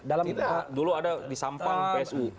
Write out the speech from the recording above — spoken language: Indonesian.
tidak dulu ada di sampal psw